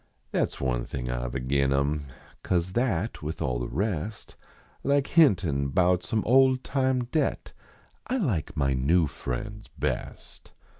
" That s one thing I ve agin em Cause that with all the rest, Like hintin bout some old time debt; 1 like my new friends best.